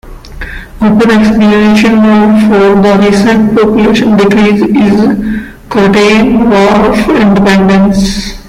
One explanation for the recent population decrease is the Croatian War of Independence.